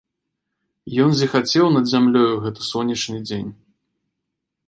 Ён зіхацеў над зямлёю, гэты сонечны дзень.